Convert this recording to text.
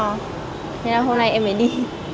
nên là hôm nay em mới đi